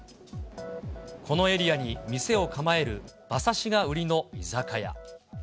このエリアに店を構える馬刺しが売りの居酒屋。